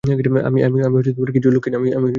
আমি কিছু লোককে চিনি।